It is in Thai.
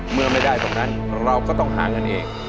เมื่อไม่ได้ตรงนั้นเราก็ต้องหาเงินเอง